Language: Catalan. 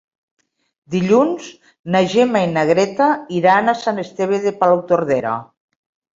Dilluns na Gemma i na Greta iran a Sant Esteve de Palautordera.